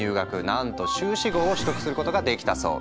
なんと修士号を取得することができたそう。